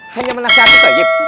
hanya menasihati kang toib